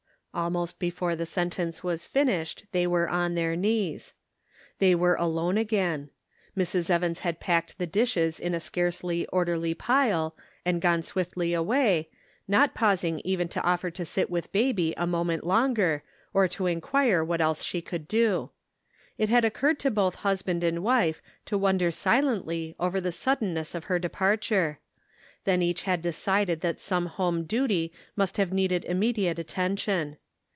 Almost before the sentence was finished they were on their knees. They were alone again. Mrs. Evans had packed the dishes in a scarcely orderly pile and gone swiftly away, not pausing even to offer to sit with baby a moment longer or to inquire what else she could do. It had occurred to both husband and wife to wonder silently over the suddenness of her departure ; then each had decided that some home duty must have needed immediate attention.